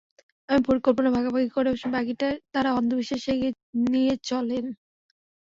আমি পরিকল্পনা ভাগাভাগি করেই শেষ, বাকিটা তাঁরা অন্ধবিশ্বাসে এগিয়ে নিয়ে চলেন।